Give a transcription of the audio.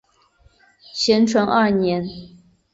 咸淳二年。